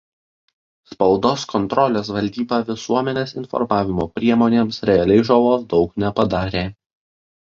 Spaudos kontrolės valdyba visuomenės informavimo priemonėms realiai žalos daug nepadarė.